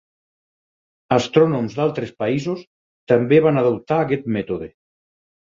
Astrònoms d'altres països també van adoptar aquest mètode.